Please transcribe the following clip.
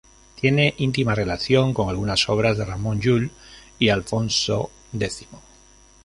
Tiene íntima relación con algunas obras de Ramon Llull y Alfonso X